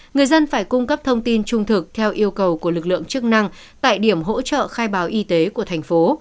người dân phải cung cấp thông tin trung thực theo yêu cầu của lực lượng chức năng tại điểm hỗ trợ khai báo y tế của thành phố